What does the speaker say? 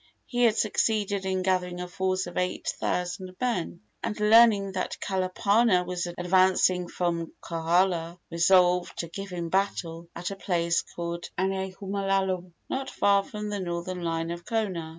He had succeeded in gathering a force of eight thousand men, and, learning that Kalapana was advancing from Kohala, resolved to give him battle at a place called Anaehoomalu, not far from the northern line of Kona.